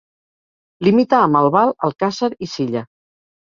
Limita amb Albal, Alcàsser i Silla.